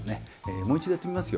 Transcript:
もう一度やってみますよ。